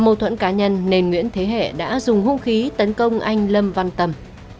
do mâu thuẫn cá nhân nền nguyễn thế hệ đã dùng hông khí tấn công anh lâm văn tâm